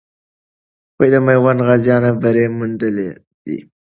د میوند غازیانو بری موندلی دی.